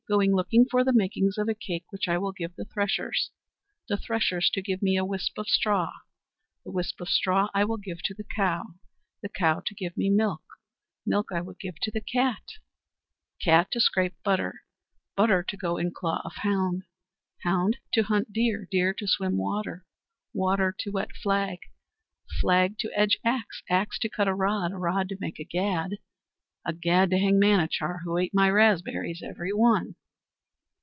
Going looking for the makings of a cake which I will give the threshers, the threshers to give me a whisp of straw, the whisp of straw I will give to the cow, the cow to give me milk, milk I will give to the cat, cat to scrape butter, butter to go in claw of hound, hound to hunt deer, deer to swim water, water to wet flag, flag to edge axe, axe to cut a rod, a rod to make a gad, a gad to hang Manachar, who ate my raspberries every one."